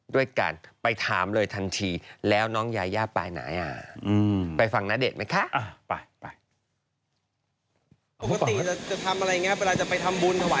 ด้วยการไปถามเลยทันทีแล้วน้องยายย่าไปไหนอ่ะ